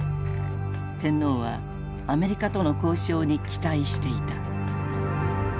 天皇はアメリカとの交渉に期待していた。